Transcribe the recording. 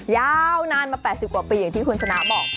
ยาวนานมา๘๐กว่าปีอย่างที่คุณชนะบอก